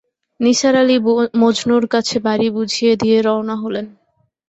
নিসার আলি মজনুর কাছে বাড়ি বুঝিয়ে দিয়ে রওনা হলেন।